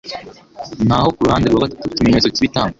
naho kuruhande rwa gatatu ikimenyetso cyibitambo